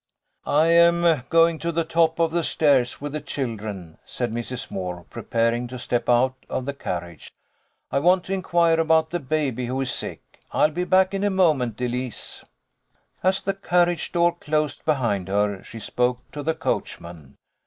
" I am going to the top of the stairs with the chil dren." said Mrs. Moore, preparing to step out of the carriage. " I want to inquire about the baby, who is sick. I'll be back in a moment, Elise." As the carriage door closed behind her she spoke to the coachman.